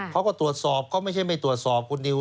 เขาก็ตรวจสอบเขาไม่ใช่ไม่ตรวจสอบคุณนิว